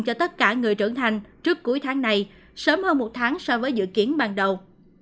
cho tất cả người trưởng thành trước cuối tháng này sớm hơn một tháng so với dự kiến ban đầu